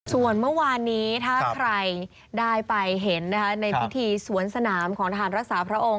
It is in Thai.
ส่วนเมื่อวานนี้ถ้าใครได้ไปเห็นในพิธีสวนสนามของทหารรักษาพระองค์